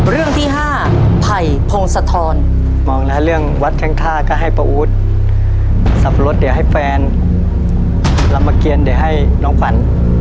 เรื่องที่ห้าไผ่พงศธรมองแล้วเรื่องวัดเชิงท่าก็ให้ประอุทธิ์สับปะรดเดี๋ยวให้แฟนรามเกียรติเดี๋ยวให้น้องขวัญ